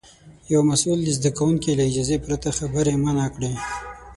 یو مسوول د زده کوونکي له اجازې پرته خبرې منع کړې.